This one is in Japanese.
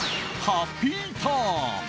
ハッピーターン。